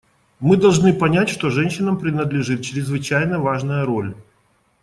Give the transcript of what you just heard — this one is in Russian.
Мы должны понять, что женщинам принадлежит чрезвычайно важная роль.